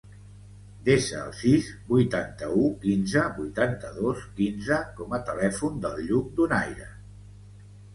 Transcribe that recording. Desa el sis, vuitanta-u, quinze, vuitanta-dos, quinze com a telèfon del Lluc Donaire.